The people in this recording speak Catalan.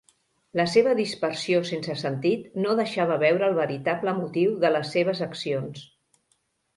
La seva dispersió sense sentit no deixava veure el veritable motiu de les seves accions.